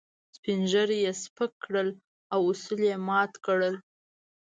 سپين ږيري يې سپک کړل او اصول يې مات کړل.